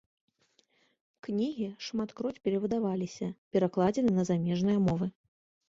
Кнігі шматкроць перавыдаваліся, перакладзены на замежныя мовы.